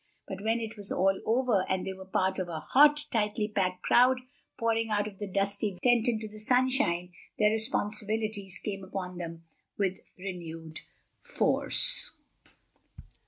But when it was all over and they were part of a hot, tightly packed crowd pouring out of the dusty tent into the sunshine, their responsibilities came upon them with renewed force.